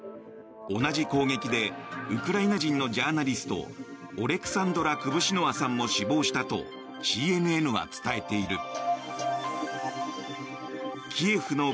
同じ攻撃でウクライナ人のジャーナリストオレクサンドラ・クブシノワさんも死亡したとＣＮＮは伝えている。